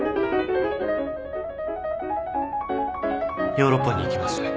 ヨーロッパに行きます。